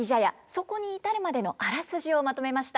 そこに至るまでのあらすじをまとめました。